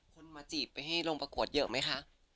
คนมาจีบไปให้ลงประกวดเยอะไหมคะ